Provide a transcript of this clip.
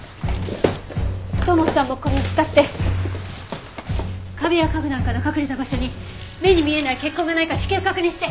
土門さんもこれを使って壁や家具なんかの隠れた場所に目に見えない血痕がないか至急確認して！